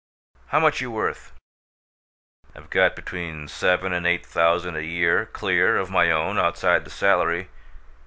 How much you worth?" "I've got between seven and eight thousand a year clear, of my own, outside the salary.